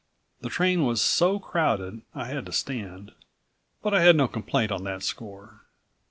The train was so crowded I had to stand, but I had no complaint on that score.